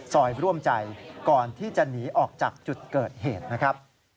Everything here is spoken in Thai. ร่วมใจก่อนที่จะหนีออกจากจุดเกิดเหตุนะครับ